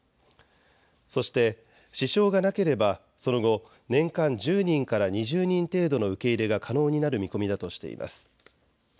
そして支障がなければその後、年間１０人から２０人程度の受け入れが可能になる見込みだとしています。